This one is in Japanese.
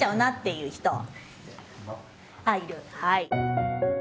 はい。